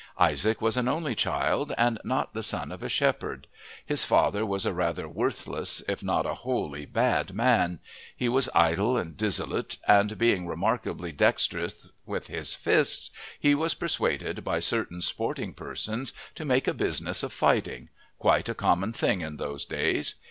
Isaac was an only child and not the son of a shepherd; his father was a rather worthless if not a wholly bad man; he was idle and dissolute, and being remarkably dexterous with his fists he was persuaded by certain sporting persons to make a business of fighting quite a common thing in those days.